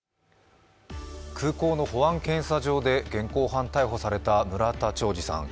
空港の保安検査場で現行犯逮捕された村田兆治さん。